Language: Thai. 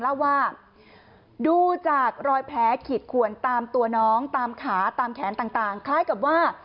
เล่าว่าดูจากรอยแผลขีดขวนตามตัวน้องตามขาตามแขนต่างคล้ายกับว่า